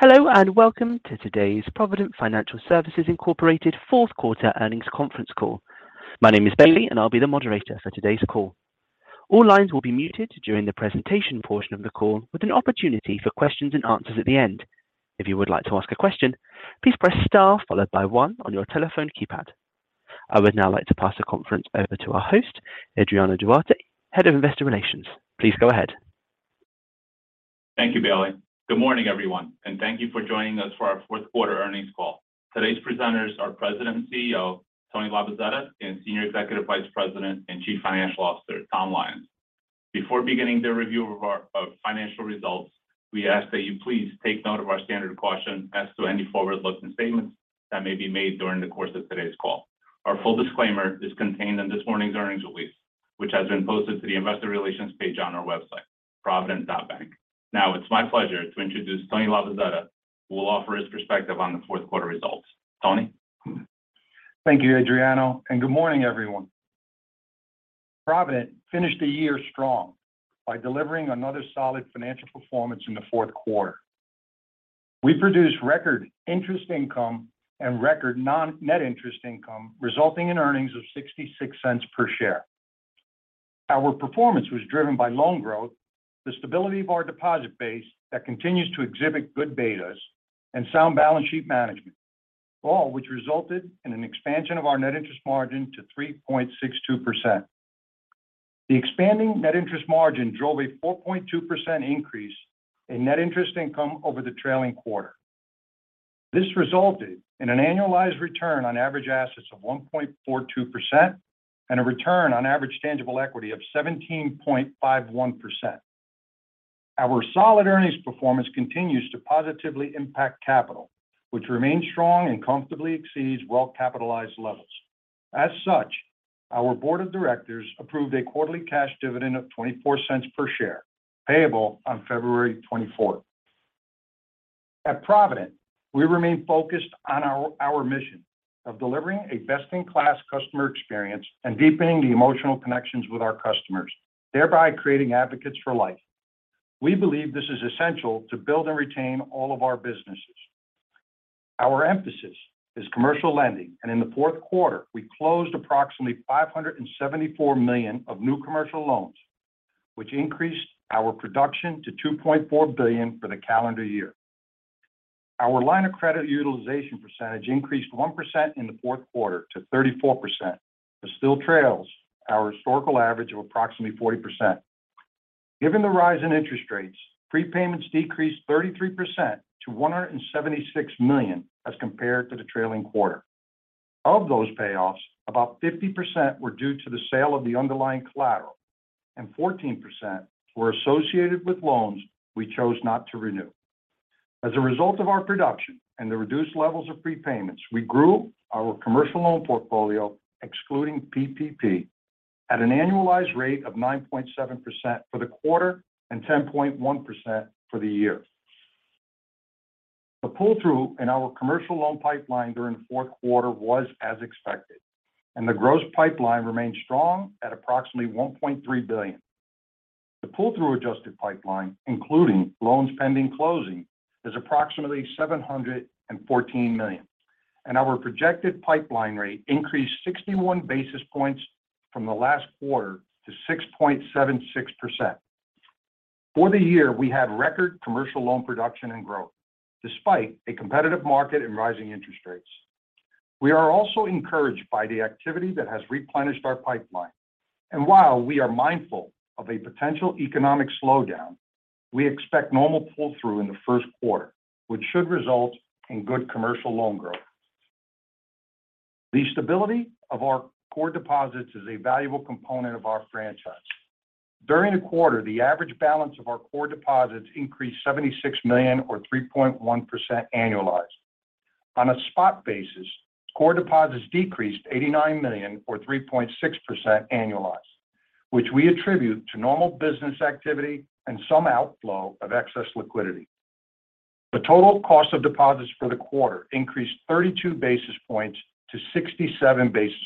Hello, welcome to today's Provident Financial Services, Inc. Q4 Earnings Conference Call. My name is Bailey, and I'll be the moderator for today's call. I would now like to pass the conference over to our host, Adriano Duarte, Head of Investor Relations. Please go ahead. Thank you, Bailey. Good morning, everyone. Thank you for joining us for our Q4 earnings call. Today's presenters are President and CEO, Tony Labozzetta, and Senior Executive Vice President and Chief Financial Officer, Tom Lyons. Before beginning the review of financial results, we ask that you please take note of our standard caution as to any forward-looking statements that may be made during the course of today's call. Our full disclaimer is contained in this morning's earnings release, which has been posted to the investor relations page on our website, provident.bank. Now it's my pleasure to introduce Tony Labozzetta, who will offer his perspective on the Q4 results. Tony. Thank you, Adriano, and good morning, everyone. Provident finished the year strong by delivering another solid financial performance in the Q4. We produced record interest income and record non-net interest income, resulting in earnings of $0.66 per share. Our performance was driven by loan growth, the stability of our deposit base that continues to exhibit good betas, and sound balance sheet management, all which resulted in an expansion of our net interest margin to 3.62%. The expanding net interest margin drove a 4.2% increase in net interest income over the trailing quarter. This resulted in an annualized return on average assets of 1.42% and a return on average tangible equity of 17.51%. Our solid earnings performance continues to positively impact capital, which remains strong and comfortably exceeds well-capitalized levels. Our board of directors approved a quarterly cash dividend of $0.24 per share, payable on February 24th. At Provident, we remain focused on our mission of delivering a best-in-class customer experience and deepening the emotional connections with our customers, thereby creating advocates for life. We believe this is essential to build and retain all of our businesses. Our emphasis is commercial lending, and in the Q4, we closed approximately $574 million of new commercial loans, which increased our production to $2.4 billion for the calendar year. Our line of credit utilization percentage increased 1% in the Q4 to 34%. It still trails our historical average of approximately 40%. Given the rise in interest rates, prepayments decreased 33% to $176 million as compared to the trailing quarter. Of those payoffs, about 50% were due to the sale of the underlying collateral, and 14% were associated with loans we chose not to renew. As a result of our production and the reduced levels of prepayments, we grew our commercial loan portfolio, excluding PPP, at an annualized rate of 9.7% for the quarter and 10.1% for the year. The pull-through in our commercial loan pipeline during the Q4 was as expected, and the gross pipeline remained strong at approximately $1.3 billion. The pull-through adjusted pipeline, including loans pending closing, is approximately $714 million. Our projected pipeline rate increased 61 basis points from the last quarter to 6.76%. For the year, we had record commercial loan production and growth despite a competitive market and rising interest rates. We are also encouraged by the activity that has replenished our pipeline. While we are mindful of a potential economic slowdown, we expect normal pull-through in the Q1, which should result in good commercial loan growth. The stability of our core deposits is a valuable component of our franchise. During the quarter, the average balance of our core deposits increased $76 million or 3.1% annualized. On a spot basis, core deposits decreased $89 million or 3.6% annualized, which we attribute to normal business activity and some outflow of excess liquidity. The total cost of deposits for the quarter increased 32 basis points to 67 basis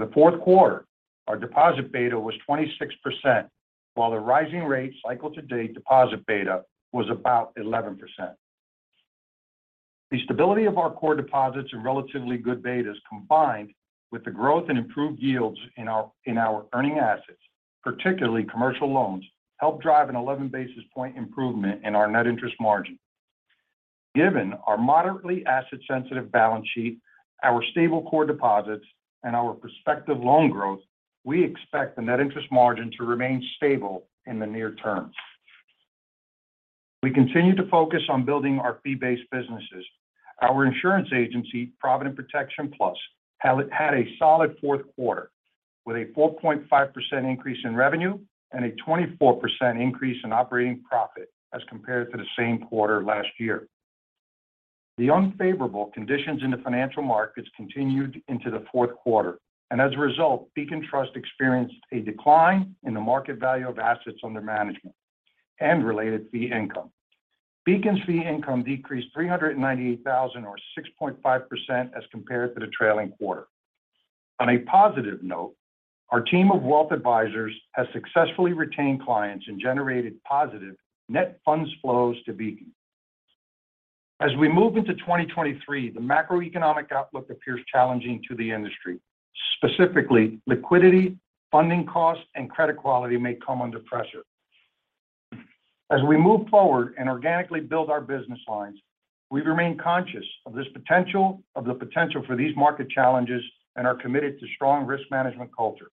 points. For the Q4, our deposit beta was 26%, while the rising rate cycle to date deposit beta was about 11%. The stability of our core deposits and relatively good betas combined with the growth and improved yields in our earning assets, particularly commercial loans, helped drive an 11 basis point improvement in our net interest margin. Given our moderately asset-sensitive balance sheet, our stable core deposits, and our prospective loan growth, we expect the net interest margin to remain stable in the near term. We continue to focus on building our fee-based businesses. Our insurance agency, Provident Protection Plus, had a solid Q4 with a 4.5% increase in revenue and a 24% increase in operating profit as compared to the same quarter last year. The unfavorable conditions in the financial markets continued into the Q4, and as a result, Beacon Trust experienced a decline in the market value of assets under management and related fee income. Beacon's fee income decreased $398,000 or 6.5% as compared to the trailing quarter. On a positive note, our team of wealth advisors has successfully retained clients and generated positive net funds flows to be. As we move into 2023, the macroeconomic outlook appears challenging to the industry. Specifically, liquidity, funding costs, and credit quality may come under pressure. As we move forward and organically build our business lines, we remain conscious of the potential for these market challenges and are committed to strong risk management culture.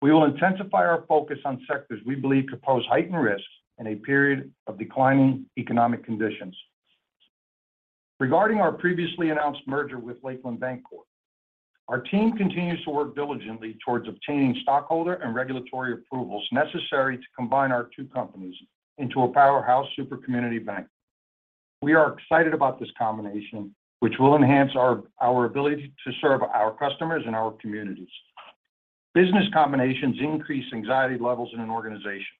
We will intensify our focus on sectors we believe could pose heightened risks in a period of declining economic conditions. Regarding our previously announced merger with Lakeland Bancorp, our team continues to work diligently towards obtaining stockholder and regulatory approvals necessary to combine our two companies into a powerhouse super community bank. We are excited about this combination which will enhance our ability to serve our customers and our communities. Business combinations increase anxiety levels in an organization.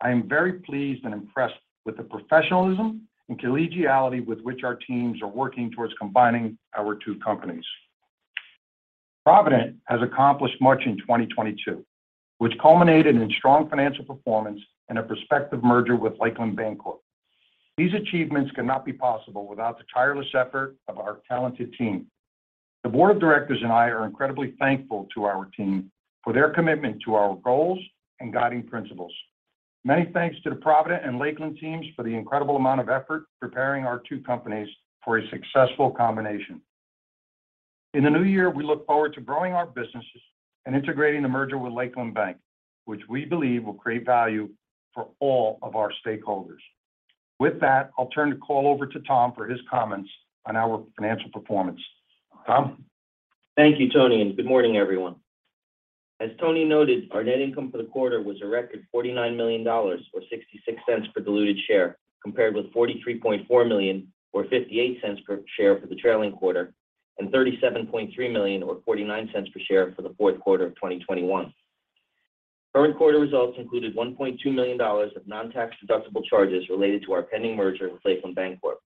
I am very pleased and impressed with the professionalism and collegiality with which our teams are working towards combining our two companies. Provident has accomplished much in 2022, which culminated in strong financial performance and a prospective merger with Lakeland Bancorp. These achievements could not be possible without the tireless effort of our talented team. The board of directors and I are incredibly thankful to our team for their commitment to our goals and guiding principles. Many thanks to the Provident and Lakeland teams for the incredible amount of effort preparing our two companies for a successful combination. In the new year, we look forward to growing our businesses and integrating the merger with Lakeland Bank, which we believe will create value for all of our stakeholders. With that, I'll turn the call over to Tom for his comments on our financial performance. Tom? Thank you, Tony. Good morning, everyone. As Tony noted, our net income for the quarter was a record $49 million or $0.66 per diluted share, compared with $43.4 million or $0.58 per share for the trailing quarter and $37.3 million or $0.49 per share for the Q4 of 2021. Current quarter results included $1.2 million of non-tax deductible charges related to our pending merger with Lakeland Bancorp.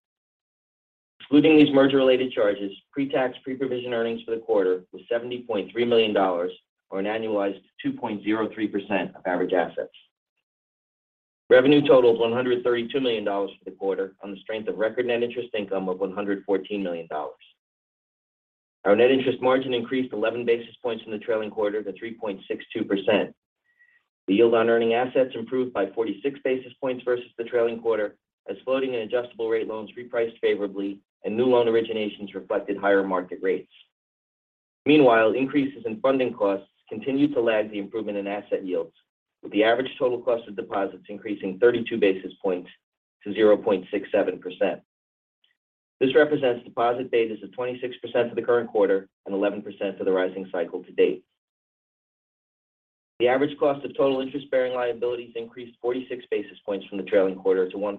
Excluding these merger-related charges, pre-tax, pre-provision earnings for the quarter was $70.3 million or an annualized 2.03% of average assets. Revenue totaled $132 million for the quarter on the strength of record net interest income of $114 million. Our net interest margin increased 11 basis points in the trailing quarter to 3.62%. The yield on earning assets improved by 46 basis points versus the trailing quarter as floating and adjustable rate loans repriced favorably and new loan originations reflected higher market rates. Increases in funding costs continued to lag the improvement in asset yields, with the average total cost of deposits increasing 32 basis points to 0.67%. This represents deposit betas of 26% for the current quarter and 11% for the rising cycle to date. The average cost of total interest-bearing liabilities increased 46 basis points from the trailing quarter to 1%.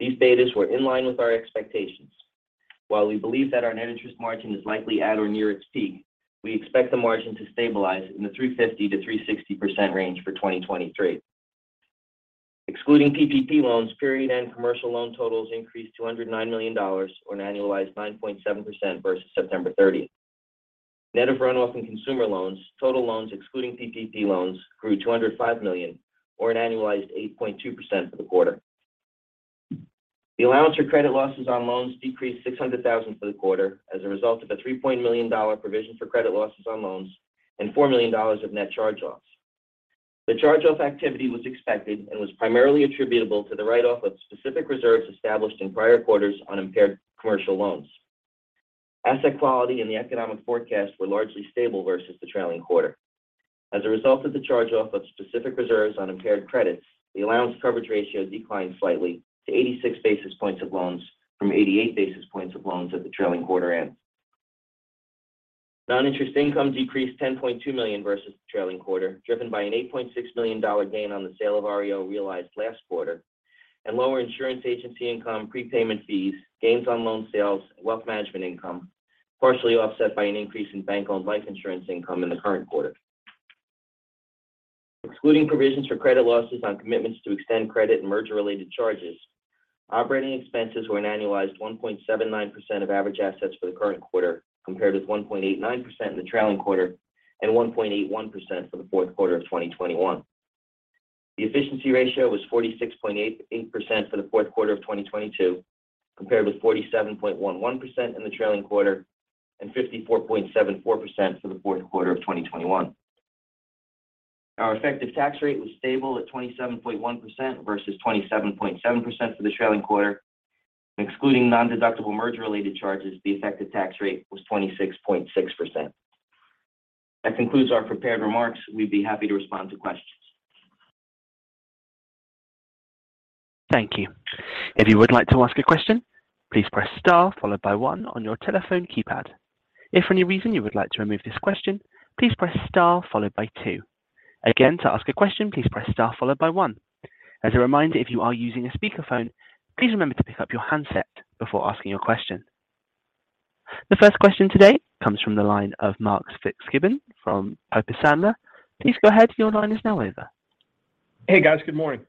These betas were in line with our expectations. While we believe that our net interest margin is likely at or near its peak, we expect the margin to stabilize in the 3.50%-3.60% range for 2023. Excluding PPP loans, period end commercial loan totals increased $209 million or an annualized 9.7% versus September 30th. Net of runoff in consumer loans, total loans excluding PPP loans grew $205 million or an annualized 8.2% for the quarter. The allowance for credit losses on loans decreased $600,000 for the quarter as a result of a $3 million provision for credit losses on loans and $4 million of net charge-offs. The charge-off activity was expected and was primarily attributable to the write-off of specific reserves established in prior quarters on impaired commercial loans. Asset quality and the economic forecast were largely stable versus the trailing quarter. As a result of the charge-off of specific reserves on impaired credits, the allowance coverage ratio declined slightly to 86 basis points of loans from 88 basis points of loans at the trailing quarter end. Non-interest income decreased $10.2 million versus the trailing quarter, driven by an $8.6 million gain on the sale of REO realized last quarter and lower insurance agency income, prepayment fees, gains on loan sales, and wealth management income, partially offset by an increase in bank-owned life insurance income in the current quarter. Excluding provisions for credit losses on commitments to extend credit and merger-related charges, operating expenses were an annualized 1.79% of average assets for the current quarter, compared with 1.89% in the trailing quarter and 1.81% for the Q4 of 2021. The efficiency ratio was 46.88% for the Q4 of 2022, compared with 47.11% in the trailing quarter and 54.74% for the Q4 of 2021. Our effective tax rate was stable at 27.1% versus 27.7% for the trailing quarter. Excluding non-deductible merger-related charges, the effective tax rate was 26.6%. That concludes our prepared remarks. We'd be happy to respond to questions. Thank you. The 1st question today comes from the line of Mark Fitzgibbon from Piper Sandler. Please go ahead. Your line is now open. Hey, guys. Good morning.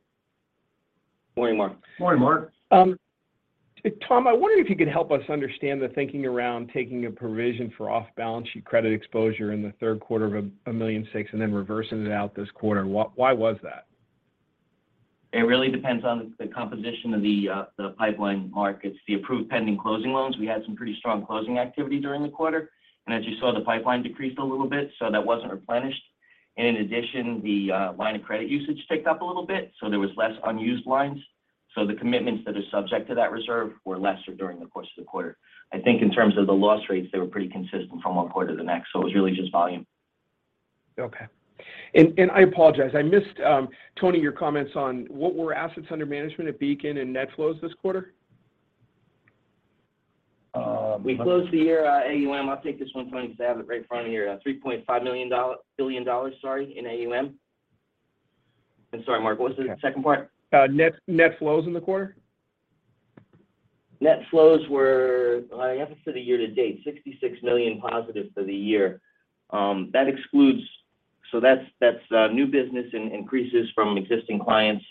Morning, Mark. Morning, Mark. Tom, I wonder if you could help us understand the thinking around taking a provision for off-balance-sheet credit exposure in the Q3 of $1.6 million and then reversing it out this quarter. Why was that? It really depends on the composition of the pipeline markets. The approved pending closing loans, we had some pretty strong closing activity during the quarter. As you saw, the pipeline decreased a little bit, so that wasn't replenished. In addition, the line of credit usage ticked up a little bit, so there was less unused lines. The commitments that are subject to that reserve were lesser during the course of the quarter. I think in terms of the loss rates, they were pretty consistent from one quarter to the next, so it was really just volume. Okay. I apologize. I missed, Tony, your comments on what were assets under management at Beacon and net flows this quarter? Um- We closed the year, AUM. I'll take this one, Tony, because I have it right in front of me here. $3.5 billion, sorry, in AUM. Sorry, Mark, what was the 2nd part? Net flows in the quarter. Net flows were, I have it for the year to date, $66 million positive for the year. That excludes. That's new business increases from existing clients,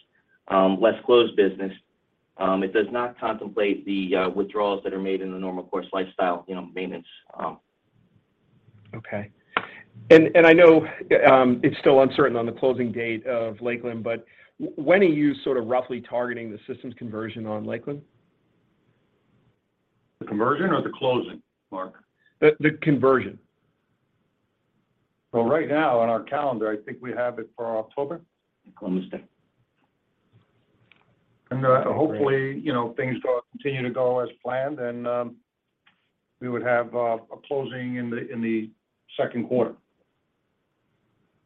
less closed business. It does not contemplate the withdrawals that are made in the normal course lifestyle, you know, payments. Okay. I know it's still uncertain on the closing date of Lakeland, but when are you sort of roughly targeting the systems conversion on Lakeland? The conversion or the closing, Mark? The conversion. Well, right now on our calendar, I think we have it for October. Hopefully, you know, things continue to go as planned and, we would have a closing in the Q2.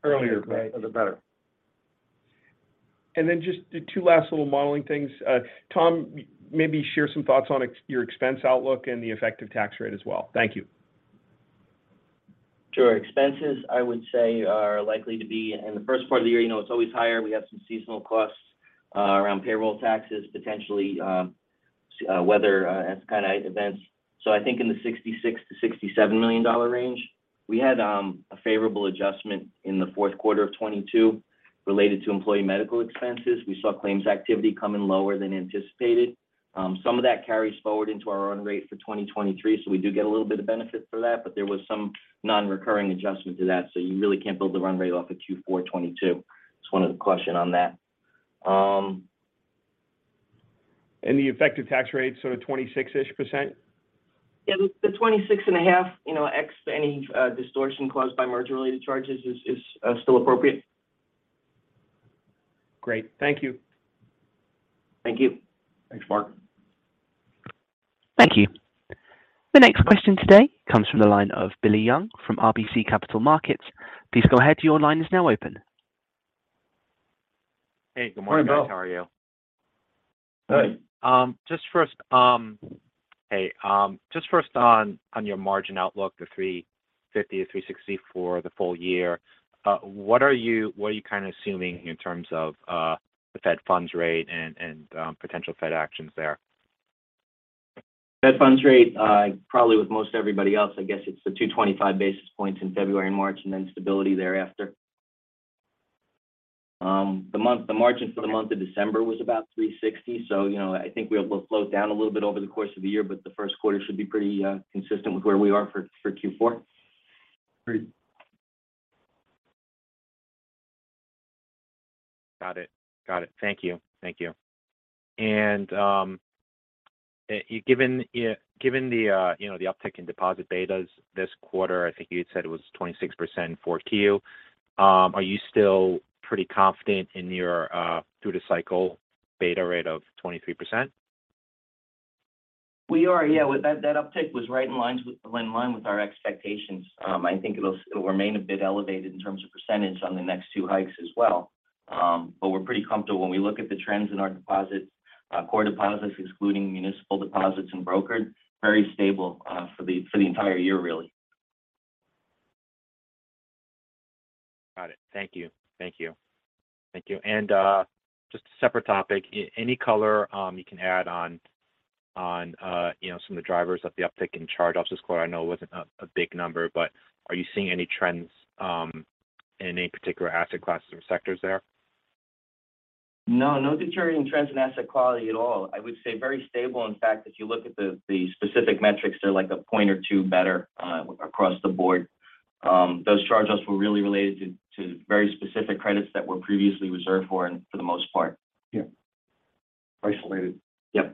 Earlier. Right... the better. Just the two last little modeling things. Tom, maybe share some thoughts on your expense outlook and the effective tax rate as well. Thank you. Sure. Expenses, I would say are likely to be in the 1st part of the year, you know, it's always higher. We have some seasonal costs, around payroll taxes, potentially, weather, as kind of events. I think in the $66-$67 million range. We had a favorable adjustment in the Q4 of 2022 related to employee medical expenses. We saw claims activity come in lower than anticipated. Some of that carries forward into our run rate for 2023, so we do get a little bit of benefit for that. There was some non-recurring adjustment to that, so you really can't build the run rate off of Q4 2022. Just wanted a question on that. The effective tax rate, sort of 26-ish%? Yeah, the 26.5, you know, ex any distortion caused by merger-related charges is still appropriate. Great. Thank you. Thank you. Thanks, Mark. Thank you. The next question today comes from the line of Billy Young from RBC Capital Markets. Please go ahead. Your line is now open. Hey, good morning. Good morning, Bill. How are you? Good. Hey, just 1st on your margin outlook, the 3.50%-3.60% for the full year, what are you kind of assuming in terms of the Fed funds rate and potential Fed actions there? Fed funds rate, probably with most everybody else, I guess it's the 225 basis points in February and March, then stability thereafter. The margin for the month of December was about 3.60%. you know, I think we'll float down a little bit over the course of the year, but the Q1 should be pretty, consistent with where we are for Q4. Great. Got it. Thank you. given the, you know, the uptick in deposit betas this quarter, I think you had said it was 26% for Q2, are you still pretty confident in your through the cycle beta rate of 23%? We are, yeah. With that uptick was right in line with our expectations. I think it'll remain a bit elevated in terms of percentage on the next two hikes as well. We're pretty comfortable when we look at the trends in our deposits, core deposits, excluding municipal deposits and brokered, very stable, for the entire year, really. Got it. Thank you. Just a separate topic. Any color you can add on, you know, some of the drivers of the uptick in charge-offs this quarter? I know it wasn't a big number, but are you seeing any trends in any particular asset classes or sectors there? No, no deterioration trends in asset quality at all. I would say very stable. In fact, if you look at the specific metrics, they're like a point or two better across the board. Those charge-offs were really related to very specific credits that were previously reserved for and for the most part. Yeah. Isolated. Yeah.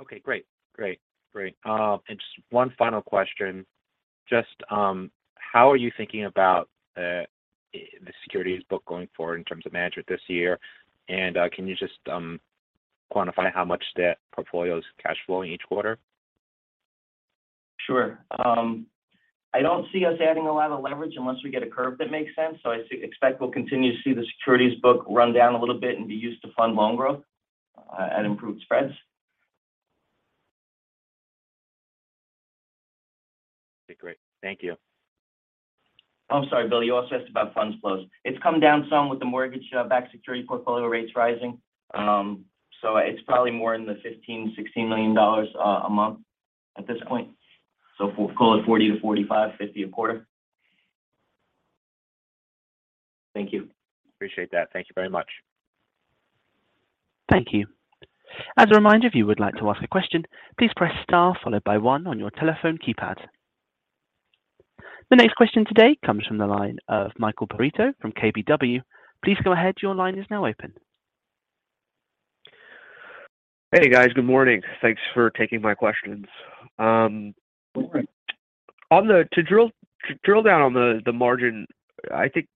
Okay, great. Great. Great. Just one final question. Just how are you thinking about the securities book going forward in terms of management this year? Can you just quantify how much that portfolio is cash flowing each quarter? Sure. I don't see us adding a lot of leverage unless we get a curve that makes sense. I expect we'll continue to see the securities book run down a little bit and be used to fund loan growth at improved spreads. Okay, great. Thank you. I'm sorry, Bill, you also asked about funds flows. It's come down some with the mortgage backed security portfolio rates rising. It's probably more in the $15-$16 million a month at this point. Call it $40-$45, $50 a quarter. Thank you. Appreciate that. Thank you very much. Thank you. The next question today comes from the line of Michael Perito from KBW. Please go ahead. Your line is now open. Hey, guys. Good morning. Thanks for taking my questions. Good morning. To drill down on the margin, I think,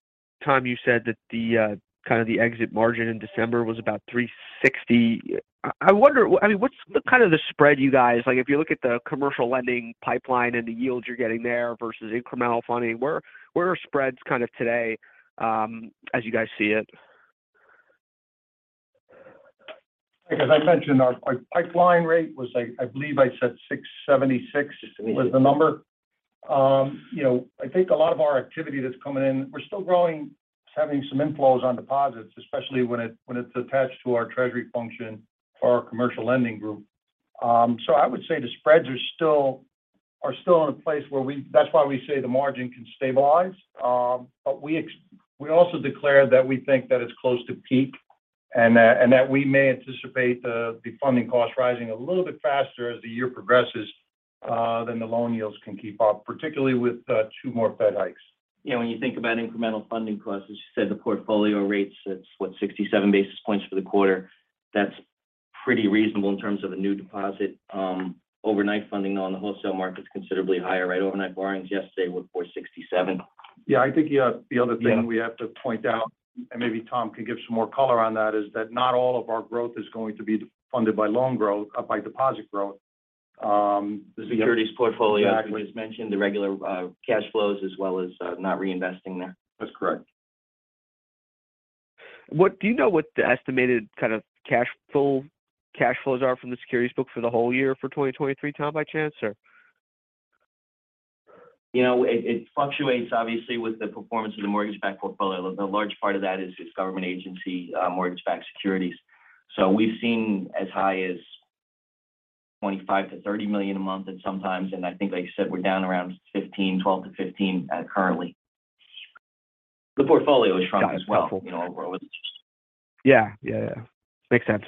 Tom, you said that the kind of the exit margin in December was about 3.60%. I wonder, I mean, what's the kind of the spread you guys, like, if you look at the commercial lending pipeline and the yields you're getting there versus incremental funding, where are spreads kind of today, as you guys see it? Because I mentioned our pipeline rate was like, I believe I said 6.76%. Just to me, yeah. -was the number. You know, I think a lot of our activity that's coming in, we're still growing, having some inflows on deposits, especially when it's, when it's attached to our treasury function for our commercial lending group. I would say the spreads are still in a place where that's why we say the margin can stabilize. We also declared that we think that it's close to peak and that we may anticipate the funding costs rising a little bit faster as the year progresses than the loan yields can keep up, particularly with two more Fed hikes. You know, when you think about incremental funding costs, as you said, the portfolio rates, it's what? 67 basis points for the quarter. That's pretty reasonable in terms of a new deposit. Overnight funding on the wholesale market's considerably higher. Right? Overnight borrowings yesterday were 4.67%. Yeah. I think, yeah, the other thing. Yeah -we have to point out, and maybe Tom can give some more color on that, is that not all of our growth is going to be funded by loan growth or by deposit growth. The securities portfolio- Exactly As mentioned, the regular cash flows as well as, not reinvesting there. That's correct. Do you know what the estimated kind of cash flows are from the securities book for the whole year for 2023, Tom, by chance or? You know, it fluctuates obviously with the performance of the mortgage-backed portfolio. The large part of that is government agency mortgage-backed securities. We've seen as high as $25-$30 million a month and sometimes. I think like you said, we're down around $15 million, $12-$15 million currently. The portfolio has shrunk as well. Got it. That's helpful. You know, overall it's just. Yeah. Yeah, yeah. Makes sense.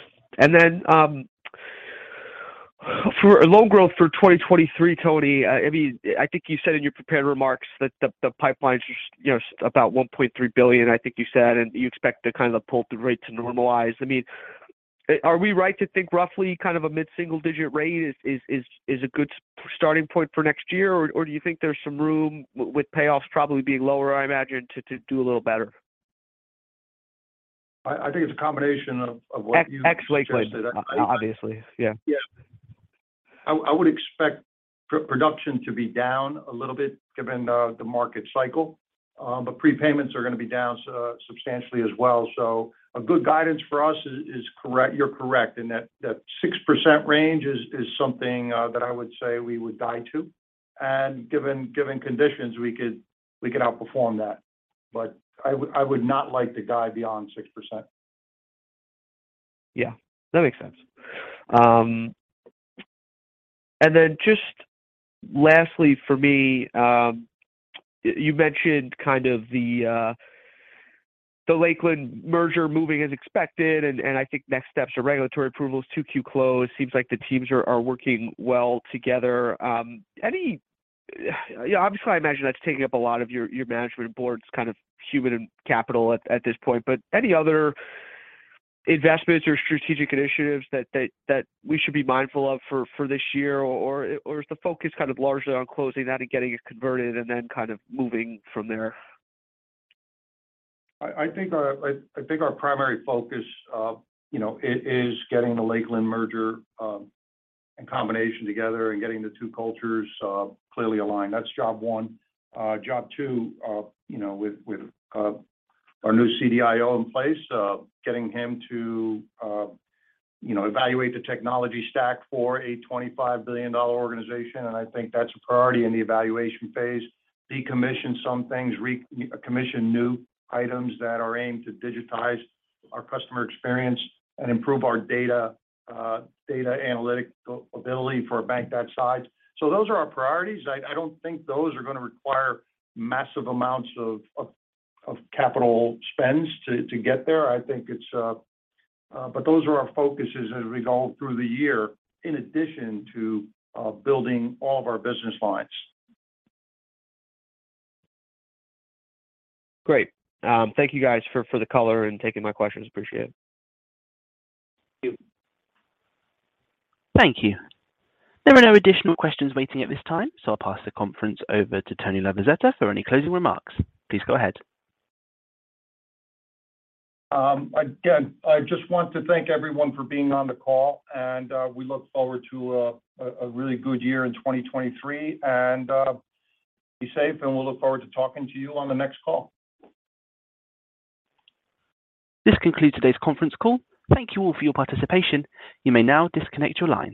For loan growth for 2023, Tony, I mean, I think you said in your prepared remarks that the pipelines are you know, about $1.3 billion, I think you said, and you expect the kind of pull through rate to normalize. I mean, are we right to think roughly kind of a mid-single-digit rate is a good starting point for next year? Do you think there's some room with payoffs probably being lower, I imagine, to do a little better? I think it's a combination of what. Ex Lakeland obviously. Yeah. Yeah. I would expect production to be down a little bit given the market cycle. Prepayments are gonna be down substantially as well. A good guidance for us is correct. You're correct in that 6% range is something that I would say we would guide to. Given conditions, we could outperform that. I would not like to guide beyond 6%. Yeah. That makes sense. Then just lastly for me, you mentioned kind of the Lakeland merger moving as expected, and I think next steps are regulatory approvals, Q2 close. Seems like the teams are working well together. Yeah, obviously, I imagine that's taking up a lot of your management board's kind of human and capital at this point. Any other investments or strategic initiatives that we should be mindful of for this year? Is the focus kind of largely on closing that and getting it converted and then kind of moving from there? I think our primary focus, you know, is getting the Lakeland merger and combination together and getting the two cultures clearly aligned. That's job one. Job two, you know, with our new CDIO in place, getting him to, you know, evaluate the technology stack for a $25 billion organization. I think that's a priority in the evaluation phase. Decommission some things, re-commission new items that are aimed to digitize our customer experience and improve our data analytic ability for a bank that size. Those are our priorities. I don't think those are gonna require massive amounts of capital spends to get there. I think it's. Those are our focuses as we go through the year in addition to building all of our business lines. Great. Thank you guys for the color and taking my questions. Appreciate it. Thank you. Thank you. There are no additional questions waiting at this time. I'll pass the conference over to Tony Labozzetta for any closing remarks. Please go ahead. Again, I just want to thank everyone for being on the call. We look forward to a really good year in 2023. Be safe, and we'll look forward to talking to you on the next call. This concludes today's conference call. Thank you all for your participation. You may now disconnect your lines.